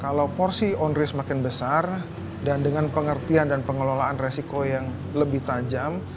kalau porsi on race makin besar dan dengan pengertian dan pengelolaan resiko yang lebih tajam